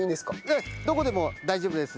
ええどこでも大丈夫です。